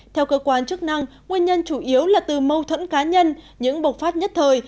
theo cơ quan chức năng nguyên nhân chủ yếu là từ mâu thuẫn cá nhân những bộc phát nhất thời